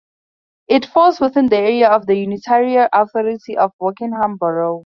It falls within the area of the unitary authority of Wokingham Borough.